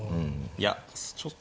いやちょっと。